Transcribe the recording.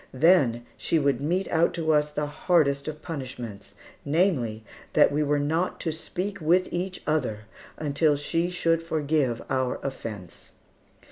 Then she would mete out to us that hardest of punishments, namely, that we were not to speak with each other until she should forgive our offence.